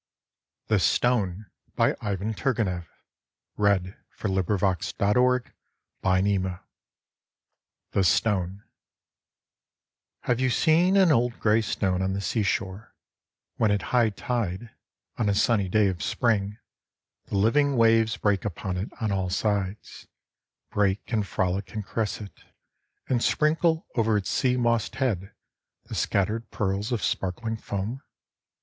is the face of Christ. Dec, 1878. 304 POEMS IN PROSE n [1879 1882] THE STONE Have you seen an old grey stone on the sea shore, when at high tide, on a sunny day of spring, the living waves break upon it on all sides — break and frolic and caress it — and sprinkle over its sea mossed head the scattered pearls of sparkling foam